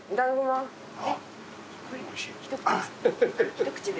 一口で？